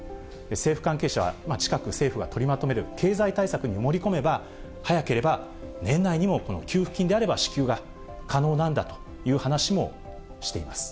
政府関係者は近く、政府が取りまとめる経済対策に盛り込めば、早ければ年内にもこの給付金であれば支給が可能なんだという話もしています。